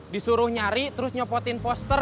disuruh nyari terus nyopotin poster